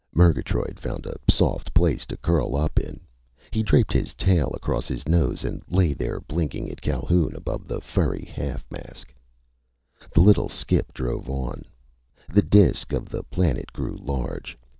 Murgatroyd found a soft place to curl up in. He draped his tail across his nose and lay there, blinking at Calhoun above the furry half mask. The little skip drove on. The disk of the planet grew large.